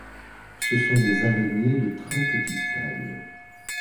Ce sont des araignées de très petite taille.